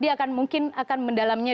dia akan mungkin akan mendalamnya